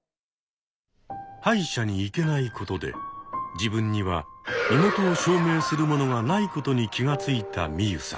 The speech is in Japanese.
歯医者に行けないことで自分には身元を証明するものがないことに気が付いたミユさん。